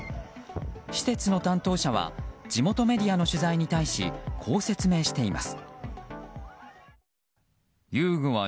施設の担当者は地元メディアの取材に対しこう説明しています。